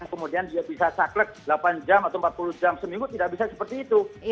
kemudian dia bisa saklek delapan jam atau empat puluh jam seminggu tidak bisa seperti itu